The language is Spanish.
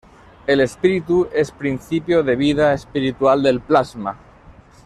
El espíritu es principio de vida espiritual del plasma.